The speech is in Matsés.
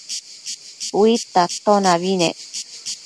Uidta atonabi nec